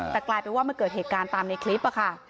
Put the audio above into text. แต่กลายเป็นว่ามันเกิดเหตุการณ์ตามในคลิปค่ะ